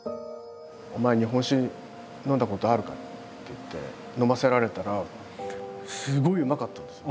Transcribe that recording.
「お前日本酒飲んだことあるか？」って言って飲ませられたらすごいうまかったんですよ。